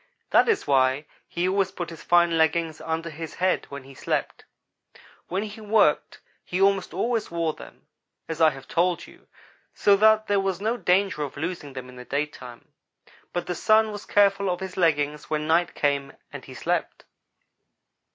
That is why he always put his fine leggings under his head when he slept. When he worked he almost always wore them, as I have told you, so that there was no danger of losing them in the daytime; but the Sun was careful of his leggings when night came and he slept.